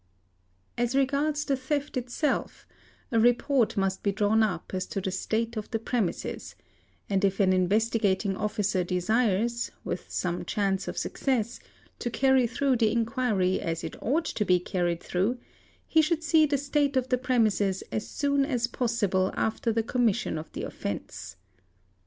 As regards the theft itself a report must be drawn up as to the state of the premises, and if an Investigating Officer desires, with some chance ~ of success, to carry through the inquiry as it ought to be carried through, he should see the state of the premises as soon as possible after the commission of the offence.